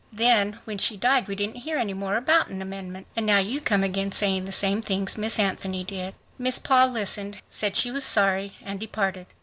Then when she died we didn't hear any more about an amendment. And now you come again saying the same things Miss Anthony said." Miss Paul listened, said she was sorry and departed.